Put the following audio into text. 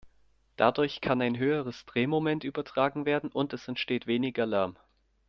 Dadurch kann ein höheres Drehmoment übertragen werden und es entsteht weniger Lärm.